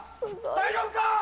「大丈夫か？」。